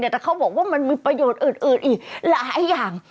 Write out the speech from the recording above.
แต่เขาบอกว่ามันมีประโยชน์อื่นอีกหลายอย่าง